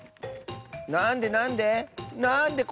なんでなんで？